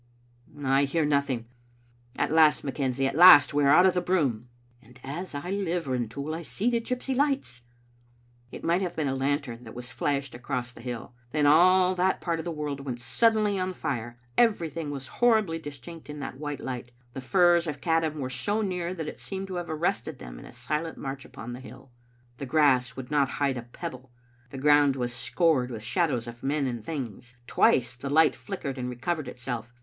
" I hear nothing. At last, McKenzie, at last, we are out of the broom." "And as I live, Rintoul, I see the gypsy lights!" It might have been a lantern that was flashed across the hill. Then all that part of the world went suddenly on fire. Everything was horribly distinct in that white light. The firs of Caddam were so near that it seemed to have arrested them in a silent march upon the hill. The grass would not hide a pebble. The ground was scored with shadows of men and things. Twice the light flickered and recovered itself.